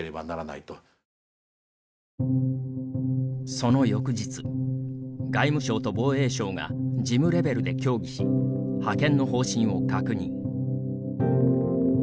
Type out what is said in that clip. その翌日、外務省と防衛省が事務レベルで協議し派遣の方針を確認。